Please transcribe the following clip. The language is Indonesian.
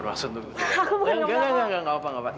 it's barb languages nya ngunjut